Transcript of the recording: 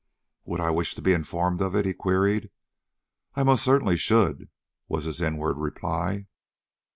"Would I wish to be informed of it?" he queried. "I most certainly should," was his inward reply.